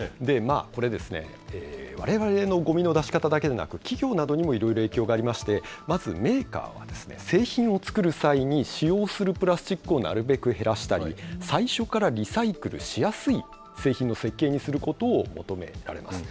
これですね、われわれのごみの出し方だけでなく、企業などにもいろいろ影響がありまして、まずメーカーは、製品を作る際に使用するプラスチックをなるべく減らしたり、最初からリサイクルしやすい製品の設計にすることを求められます。